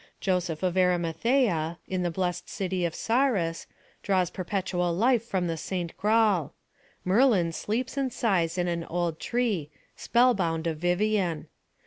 Joseph of Arimathæa, in the blessed city of Sarras, draws perpetual life from the Saint Graal; Merlin sleeps and sighs in an old tree, spell bound of Vivien.